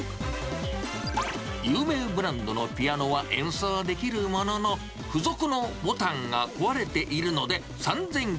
有名ブランドのピアノは演奏できるものの、付属のボタンが壊れているので３９８０円。